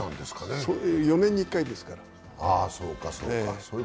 ４年に一回ですから。